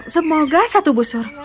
semoga satu busur